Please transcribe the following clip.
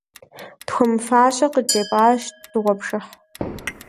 Тхуэмыфащэ къыджепӀащ дыгъуэпшыхь.